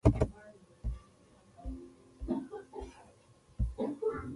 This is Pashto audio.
دا ودانۍ ښايي د کوم مشر کور و.